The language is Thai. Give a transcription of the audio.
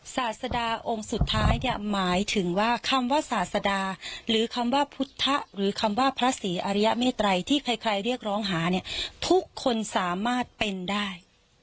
ศาสดาองค์สุดท้ายเนี่ยหมายถึงว่าคำว่าศาสดาหรือคำว่าพุทธหรือคำว่าพระศรีอริยเมตรัยที่ใครเรียกร้องหาเนี่ยทุกคนสามารถเป็นได้